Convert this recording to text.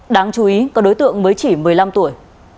đáng chú ý có đối tượng mới chỉ một mươi năm tuổi